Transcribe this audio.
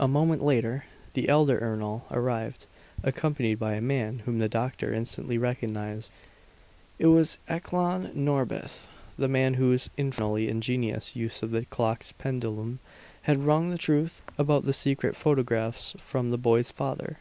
A moment later, the elder Ernol arrived, accompanied by a man whom the doctor instantly recognized. It was Eklan Norbith, the man whose infernally ingenious use of the clock's pendulum had wrung the truth about the secret photographs from the boy's father.